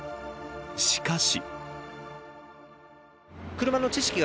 しかし。